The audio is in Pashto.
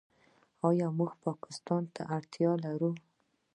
آیا موږ پاکستان ته اړتیا لرو؟